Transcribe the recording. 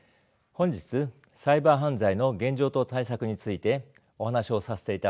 本日サイバー犯罪の現状と対策についてお話をさせていただきます